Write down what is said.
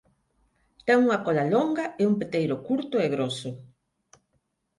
Ten unha cola longa e un peteiro curto e groso.